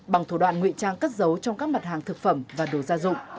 bằng thủ đoạn nguyện trang cất dấu trong các mặt hàng thực phẩm và đồ gia dụng